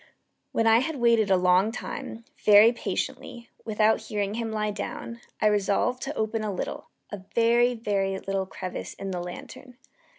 When I had waited a long time, very patiently, without hearing him lie down, I resolved to open a little a very, very little crevice in the lantern.